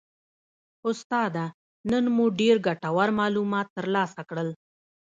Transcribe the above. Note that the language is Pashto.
استاده نن مو ډیر ګټور معلومات ترلاسه کړل